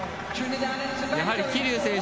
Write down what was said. やはり桐生選手